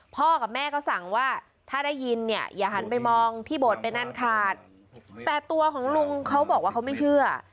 พ่อกับแม่ก็สั่งว่าถ้าได้ยินเนี่ยอย่าหันไปมองที่โบสถเป็นอันขาดแต่ตัวของลุงเขาบอกว่าเขาไม่เชื่อ